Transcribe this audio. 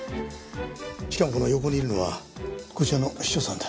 しかもこの横にいるのはこちらの秘書さんだ。